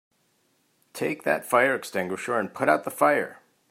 Take that fire extinguisher and put out the fire!